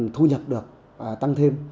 thu nhập được tăng thêm